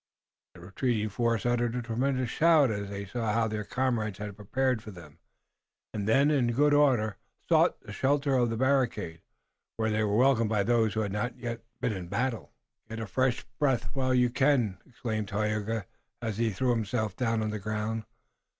The retreating force uttered a tremendous shout as they saw how their comrades had prepared for them, and then, in good order, sought the shelter of the barricade, where they were welcomed by those who had not yet been in battle. "Get fresh breath while you may!" exclaimed Tayoga, as he threw himself down on the ground.